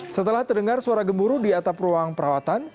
setelah terdengar suara gemuruh di atap ruang perawatan